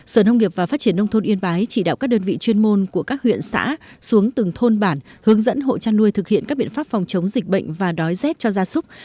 sở nông nghiệp và phát triển nông thôn yên bái chỉ đạo các đơn vị chuyên môn của các huyện xã xuống từng thôn bản hướng dẫn hộ chăn nuôi thực hiện các biện pháp phòng chống dịch bệnh và đói rét cho gia súc